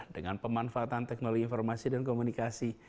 dengan pemanfaatan teknologi informasi dan komunikasi